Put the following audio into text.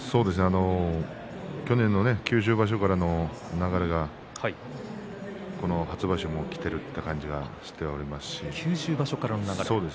去年の九州場所からの流れがこの初場所もきている感じがしますね。